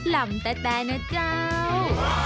ลำแต่นะเจ้า